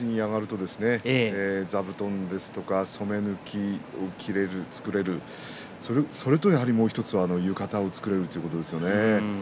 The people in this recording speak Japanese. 幕内に上がると座布団ですとか染め抜きを作れるそれと、もう１つは浴衣を作れるということですよね。